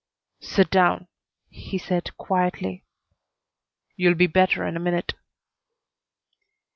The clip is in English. "Sit down," he said, quietly. "You'll be better in a minute."